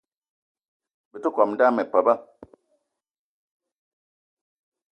Be te kome dame pabe